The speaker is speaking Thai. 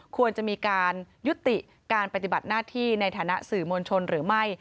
ควรจะมีการยุติการปฏิบัติหน้าที่ในฐานะสื่อมวลชนหรือไม่